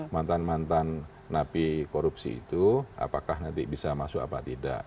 mantan mantan napi korupsi itu apakah nanti bisa masuk apa tidak